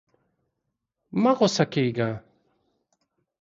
مه غوسه کېږه!